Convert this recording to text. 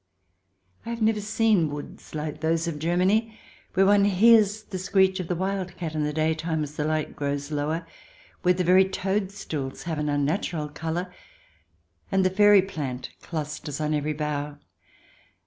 I have never seen woods like those of Germany, where one hears the screech of the wild cat in the daytime as the light grows lower, where the very toadstools have an unnatural colour, and the fairy plant clusters on every bough.